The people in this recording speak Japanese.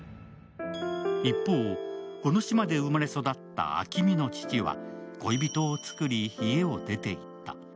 一方、この島で生まれ育った暁海の父は恋人を作り家を出ていった。